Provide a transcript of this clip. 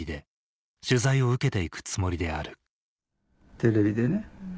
テレビでね